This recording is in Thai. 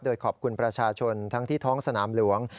โดยขอบคุณประชาชนทั้งที่ท้องสนามหลวง